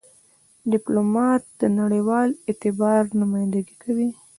ډيپلومات د نړېوال اعتبار نمایندګي کوي.